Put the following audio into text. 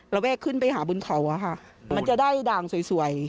แวกขึ้นไปหาบนเขาอะค่ะมันจะได้ด่างสวย